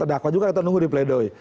terdakwa juga kita nunggu di pleidoi